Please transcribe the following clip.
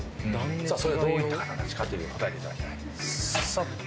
それはどういった方たちか答えていただきたい。